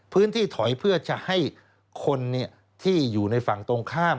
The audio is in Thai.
พื้นที่ถอยเพื่อจะให้คนที่อยู่ในฝั่งตรงข้าม